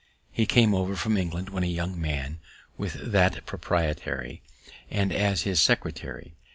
He came over from England, when a young man, with that proprietary, and as his secretary.